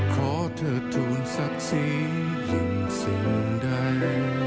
ขอเธอทูลศักดิ์สีหญิงสิ่งใด